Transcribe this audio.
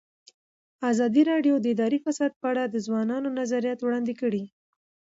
ازادي راډیو د اداري فساد په اړه د ځوانانو نظریات وړاندې کړي.